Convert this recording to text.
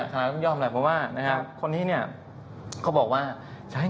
คาลยยอมอะไรเพราะว่านะฮะคนนี้เนี้ยเขาบอกว่าใช้